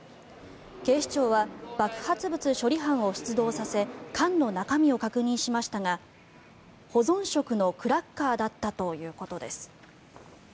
警視庁は爆発物処理班を出動させ缶の中身を確認しましたが保存食のクラッカーだったということです。